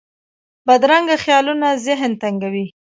بدرنګه خیالونه ذهن تنګوي